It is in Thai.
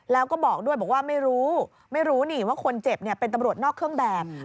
แล้วก็บอกด้วยบอกว่าไม่รู้ไม่รู้นี่ว่าคนเจ็บเป็นตำรวจนอกเครื่องแบบ